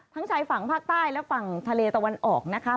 ชายฝั่งภาคใต้และฝั่งทะเลตะวันออกนะคะ